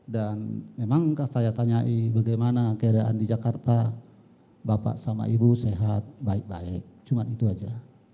dan memang saya tanyai bagaimana keadaan di jakarta bapak sama ibu sehat baik baik cuma itu saja